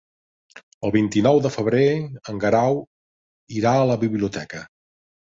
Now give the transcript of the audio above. El vint-i-nou de febrer en Guerau irà a la biblioteca.